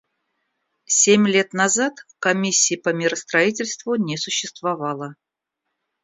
Семь лет назад Комиссии по миростроительству не существовало.